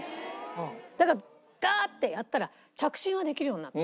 だからガーッてやったら着信はできるようになった。